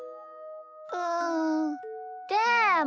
うんでも。